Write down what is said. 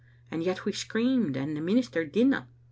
And yet we screamed, and the minister didna.